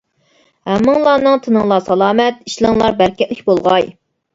ھەممىڭلارنىڭ تېنىڭلار سالامەت، ئىشلىرىڭلار بەرىكەتلىك بولغاي!